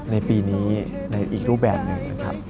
ในปีนี้ในอีกรูปแบบหนึ่งนะครับ